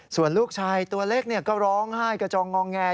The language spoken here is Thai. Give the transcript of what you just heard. ส่วนลูกชายตัวเล็กก็ร้องไห้กระจองงองแง